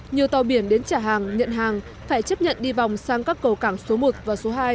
nhiều tàu biển đến trả hàng nhận hàng phải chấp nhận đi vòng sang các cầu cảng số một và số hai